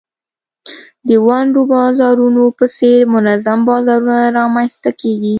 د ونډو د بازارونو په څېر منظم بازارونه رامینځته کیږي.